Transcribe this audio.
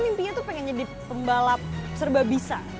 mimpinya tuh pengen jadi pembalap serba bisa